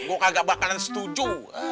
gua kagak bakalan setuju